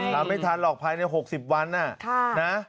ทำไม่ทันหรอกภายใน๖๐วันนะ